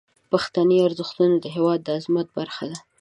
پښتني ارزښتونه د هیواد د عظمت برخه دي.